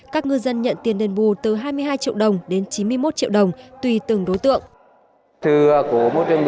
các ngư dân nhận tiền đền bù từ hai mươi hai triệu đồng đến chín mươi một triệu đồng tùy từng đối tượng